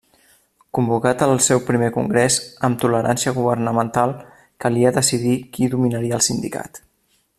Convocat el seu primer Congrés, amb tolerància governamental, calia decidir qui dominaria el sindicat.